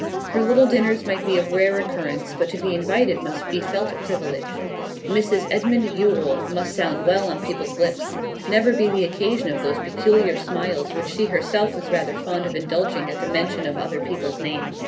Her little dinners might be of rare occurrence, but to be invited must be felt a privilege. 'Mrs Edmund Yule' must sound well on people's lips; never be the occasion of those peculiar smiles which she herself was rather fond of indulging at the mention of other people's names.